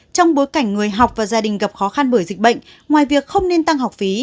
trong bối cảnh người học và gia đình gặp khó khăn bởi dịch bệnh ngoài việc không nên tăng học phí